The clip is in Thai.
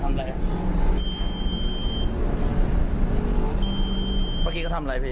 เมื่อกี้เขาทำอะไรพี่